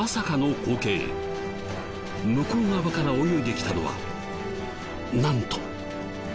向こう側から泳いできたのはなんと。